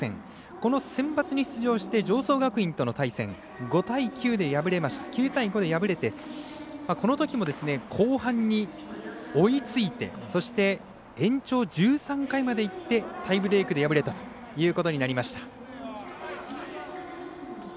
このセンバツに出場して常総学院との対戦９対５で敗れてこのときも、後半に追いついてそして、延長１３回までいってタイブレークで敗れたということになりました。